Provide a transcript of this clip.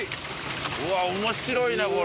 うわっ面白いねこれ。